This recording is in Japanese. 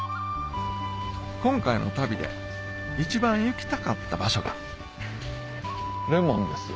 今回の旅で一番行きたかった場所がレモンですよ